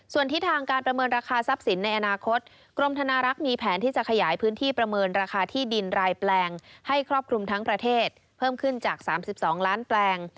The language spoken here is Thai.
ส่วนทิศทางการประเมินราคาทรัพย์สินในอนาคตกรมธนารักษ์มีแผนที่จะขยายพื้นที่ประเมินราคาที่ดินรายแปลงให้ครอบคลุมทั้งประเทศเพิ่มขึ้นจาก๓๒ล้านแปลง